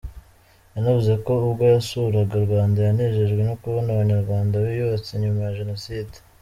Yanavuze ko ubwo yasuraga u Rwanda, yanejejwe no kubona Abanyarwanda biyubatse nyuma ya Jenoside.